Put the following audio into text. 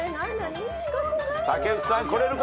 竹内さんこれるか？